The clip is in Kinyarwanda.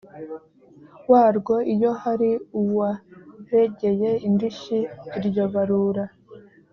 warwo iyo hari uwaregeye indishyi iryo barura